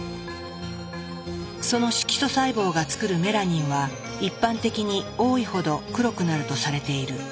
その色素細胞がつくるメラニンは一般的に多いほど黒くなるとされている。